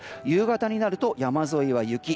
夕方になると山沿いは雪。